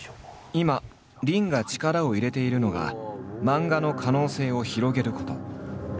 今林が力を入れているのが漫画の可能性を広げること。